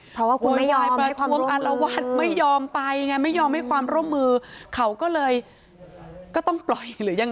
เพราะว่าโวยวายประธุมอารวัตน์ไม่ยอมไปไม่ยอมให้ความร่วมมือเขาก็เลยก็ต้องปล่อย